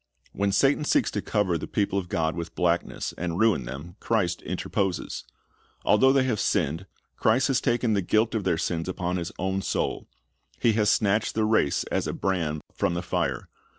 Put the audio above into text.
When Satan seeks to cover the people of God with blackness, and ruin them, Christ interposes. Although they have sinned, Christ has taken the guilt of their sins upon His own soul. He has snatched the race as a brand from the fire.